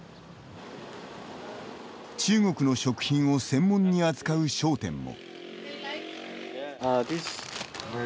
中国の食品を専門に扱う商店も。